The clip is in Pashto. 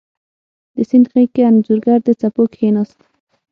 د سیند غیږ کې انځورګر د څپو کښېناست